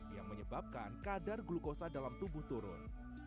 yang menyebabkan kadar glukosa dalam tubuh turun